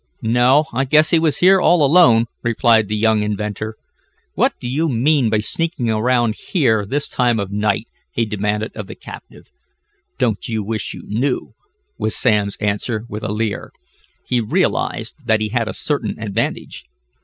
"No, I guess he was here all alone," replied the young inventor. "What do you mean by sneaking around here this time of night?" he demanded of the captive. "Don't you wish you knew?" was Sam's answer, with a leer. He realized that he had a certain advantage.